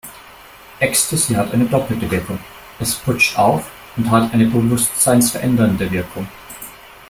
Ecstasy hat eine doppelte Wirkung: Es putscht auf und hat eine bewusstseinsverändernde Wirkung.